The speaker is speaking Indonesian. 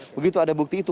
begitu ada bukti itu